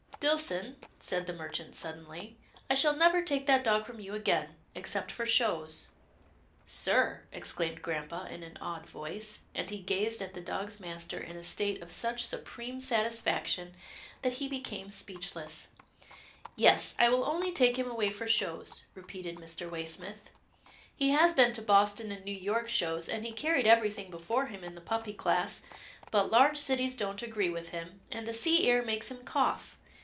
Dillson/' said the merchant, suddenly, " I shall never take that dog from you again, except for shows." " Sir," exclaimed grampa in an awed voice, and he gazed at the dog's master in a state of such supreme satisfaction that he became speechless. " Yes, I will only take him away for shows," repeated Mr. Waysmith. " He has been to Boston and New York shows, and he carried everything before him in the puppy class, but large cities don't agree with him, and the sea air makes him cough.